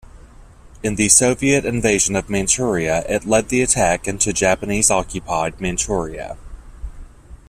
In the Soviet invasion of Manchuria it led the attack into Japanese-occupied Manchuria.